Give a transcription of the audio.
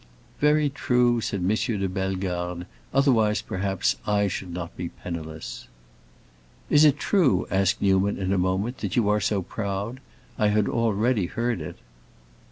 "Very true!" said M. de Bellegarde. "Otherwise perhaps I should not be penniless." "Is it true," asked Newman in a moment, "that you are so proud? I had already heard it."